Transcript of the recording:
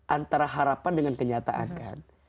antara harapan dengan kenyataan kan